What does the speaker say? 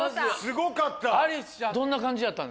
すごかった。